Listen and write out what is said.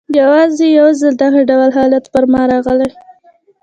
یوازي یو ځلې دغه ډول حالت پر ما راغلی.